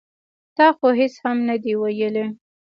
ـ تا خو هېڅ هم نه دي ویلي.